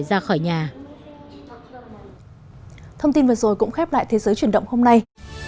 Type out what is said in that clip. thông tin vừa rồi cũng khép lại thế giới chuyển động hôm nay